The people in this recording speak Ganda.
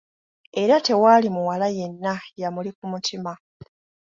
Era tewaali muwala yenna yamuli ku mutima.